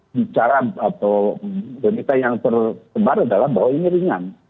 bicara atau berita yang tersebar adalah bahwa ini ringan